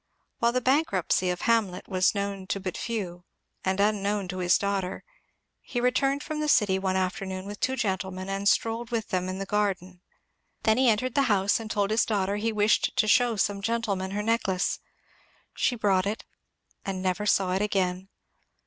While the bankruptcy of Hamlet was known to but few, and unknown to his daughter, he returned from the city one afternoon with two gentlemen and strcdled with them in the garden. Then he entered the house and told his daughter he wished to show some gentlemen her necklace. She brought it, and never saw it again.